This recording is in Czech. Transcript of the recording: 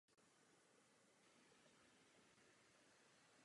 Přístup do rezervace je značně omezený.